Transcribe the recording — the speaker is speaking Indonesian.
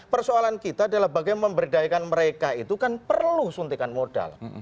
persoalan kita adalah bagaimana memberdayakan mereka itu kan perlu suntikan modal